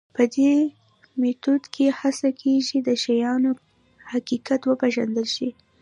په دې میتود کې هڅه کېږي د شیانو حقیقت وپېژندل شي.